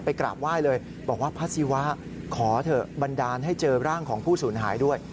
กราบไหว้เลยบอกว่าพระศิวะขอเถอะบันดาลให้เจอร่างของผู้สูญหายด้วย